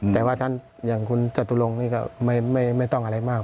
แต่ว่าท่านอย่างคุณจตุรงค์นี่ก็ไม่ต้องอะไรมาก